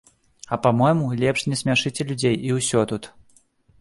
А па-мойму, лепш не смяшыце людзей, і ўсё тут!